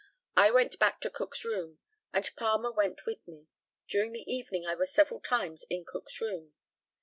I went back to Cook's room, and Palmer went with me. During the evening I was several times in Cook's room.